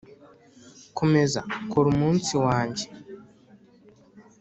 komeza, kora umunsi wanjye.